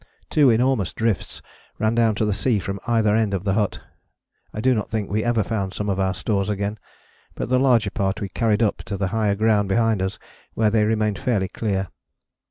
Two enormous drifts ran down to the sea from either end of the hut. I do not think we ever found some of our stores again, but the larger part we carried up to the higher ground behind us where they remained fairly clear.